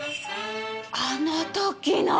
あの時の！